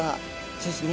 そうですね。